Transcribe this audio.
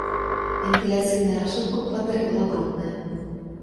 Вентыляцыйная рашотка ў кватэры была брудная.